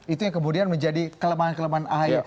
itu yang kemudian menjadi kelemahan kelemahan ahy